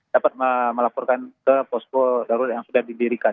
dapat melaporkan ke posko darurat yang sudah didirikan